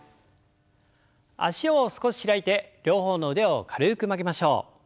脚を少し開いて両方の腕を軽く曲げましょう。